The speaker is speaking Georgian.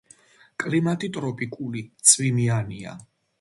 კლიმატი ტროპიკული, წვიმიანია.